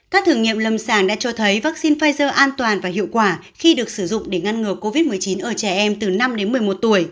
các thử nghiệm lâm sàng đã cho thấy vaccine pfizer an toàn và hiệu quả khi được sử dụng để ngăn ngừa covid một mươi chín ở trẻ em từ năm đến một mươi một tuổi